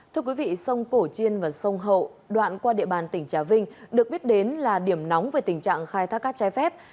thưa quý vị sông cổ chiên và sông hậu đoạn qua địa bàn tỉnh trà vinh được biết đến là điểm nóng về tình trạng khai thác cát trái phép